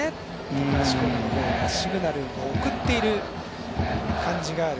高橋光成の方がシグナルを送っている感じがある。